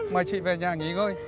mời chị về nhà nghỉ ngơi